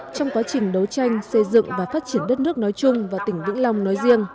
trong quá trình đấu tranh xây dựng và phát triển đất nước nói chung và tỉnh vĩnh long nói riêng